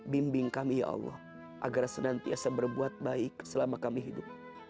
bimbing kami ya allah agar senantiasa berbuat baik selama kami hidup